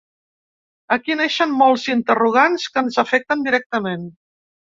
Aquí neixen molts interrogants que ens afecten directament.